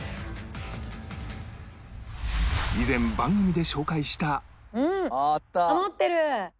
以前番組で紹介した